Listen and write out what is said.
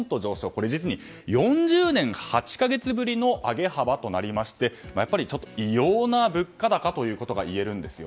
これは実に４０年８か月ぶりの上げ幅となりましてちょっと異様な物価高ということがいえるんです。